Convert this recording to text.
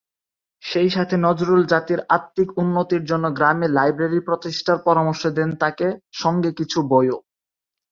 সেই সাথে নজরুল জাতির আত্মিক উন্নতির জন্য গ্রামে লাইব্রেরি প্রতিষ্ঠার পরামর্শ দেন তাকে, সঙ্গে কিছু বইও।